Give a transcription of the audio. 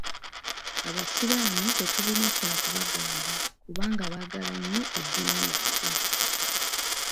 Abasiraamu tetulina kya kubagamba kubanga baagala nnyo eddiini yaabwe.